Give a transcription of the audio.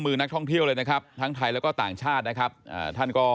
มือนักท่องเที่ยวเลยนะครับทั้งไทยแล้วก็ต่างชาตินะครับอ่าท่านก็